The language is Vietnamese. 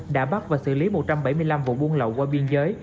đã bắt và xử lý một trăm bảy mươi năm vụ buôn lậu qua biên giới